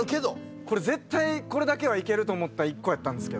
これ絶対これだけはいけると思った１個やったんですけど。